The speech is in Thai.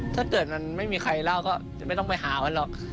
ถ้าเกิดมันไม่มีใครเล่าก็จะไม่ต้องไปหามันหรอก